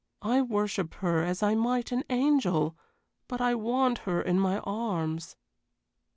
I worship her as I might an angel, but I want her in my arms."